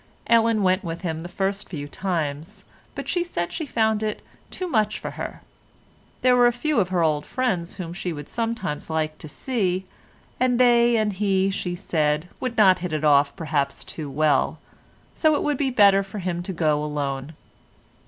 Ellen went with him the first few times, but she said she found it too much for her, there were a few of her old friends whom she should sometimes like to see, and they and he, she said, would not hit it off perhaps too well, so it would be better for him to go alone.